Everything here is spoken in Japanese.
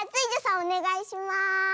おねがいしますね。